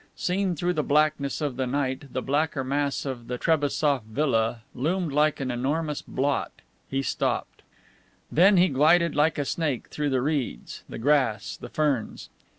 Seen through the blackness of the night the blacker mass of the Trebassof villa loomed like an enormous blot, he stopped. Then he glided like a snake through the reeds, the grass, the ferns.